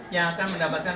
yang akan mendapatkan